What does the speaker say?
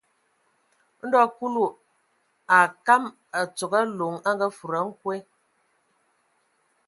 Ndo Kulu a akam a tsogo Aloŋ a ngafudi a nkwe.